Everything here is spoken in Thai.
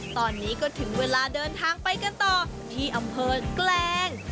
ตอนนี้ก็ถึงเวลาเดินทางไปกันต่อที่อำเภอแกลง